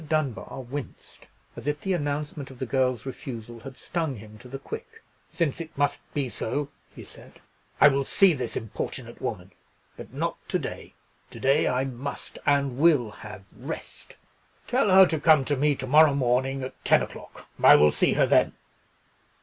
Dunbar winced, as if the announcement of the girl's refusal had stung him to the quick. "Since it must be so," he said, "I will see this importunate woman. But not to day. To day I must and will have rest. Tell her to come to me to morrow morning at ten o'clock. I will see her then."